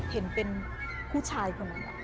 เห็นเป็นผู้ชายคนนั้น